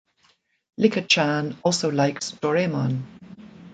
Licca-chan also likes "Doraemon".